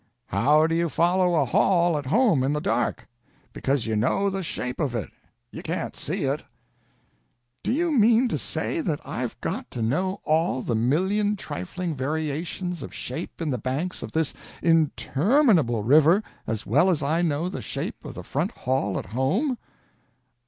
"How do you follow a hall at home in the dark? Because you know the shape of it. You can't see it." "Do you mean to say that I've got to know all the million trifling variations of shape in the banks of this interminable river as well as I know the shape of the front hall at home?"